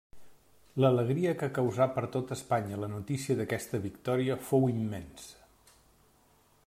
L'alegria que causà per tota Espanya la notícia d'aquesta victòria fou immensa.